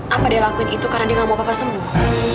apa dia lakuin itu karena dia gak mau apa apa sembuh